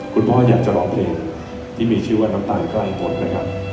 คุณพ่ออยากจะร้องเพลงที่มีชื่อว่าน้ำตาลคลั่งกดไหมครับ